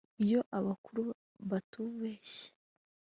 Iyo abukuri batubeshye